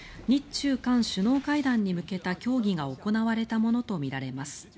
中韓首脳会談に向けた協議が行われたものとみられます。